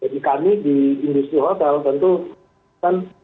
jadi kami di industri hotel tentu kan